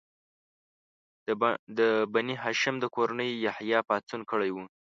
د بني هاشم د کورنۍ یحیی پاڅون کړی و.